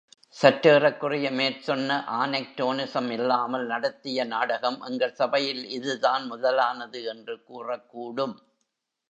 சற்றேறக்குறைய மேற் சொன்ன ஆநெக்ரோனிசம் இல்லாமல் நடத்திய நாடகம் எங்கள் சபையில் இதுதான் முதலானது என்று கூறக்கூடும்.